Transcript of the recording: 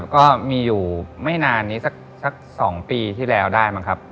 ก็มีอยู่ไม่นานนี้สัก๒ปีที่แล้วได้มั้งครับ